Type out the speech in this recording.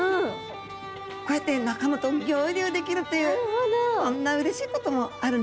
こうやって仲間と合流できるっていうこんなうれしいこともあるんですね。